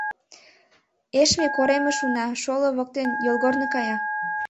— Эшме коремыш, уна, шоло воктен, йолгорно кая.